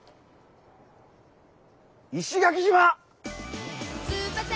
石垣島！